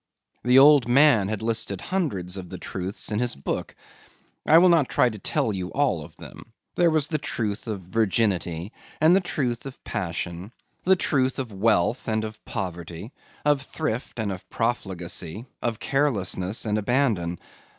The old man had listed hundreds of the truths in his book. I will not try to tell you of all of them. There was the truth of virginity and the truth of passion, the truth of wealth and of poverty, of thrift and of profligacy, of carelessness and abandon.